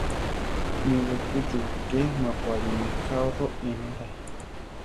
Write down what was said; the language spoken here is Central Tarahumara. Mí wé tuu chukúke mapuarí me kao roínorai.